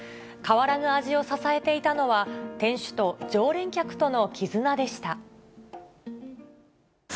変わらぬ味を支えていたのは、店主と常連客との絆でした。